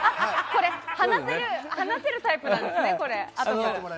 これ、話せるタイプなんですねあとから。